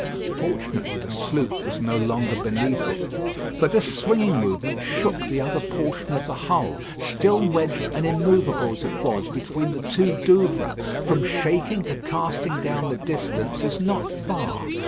Fortunately the sloop was no longer beneath it. But this swinging movement shook the other portion of the hull, still wedged and immovable as it was between the two Douvres. From shaking to casting down the distance is not far.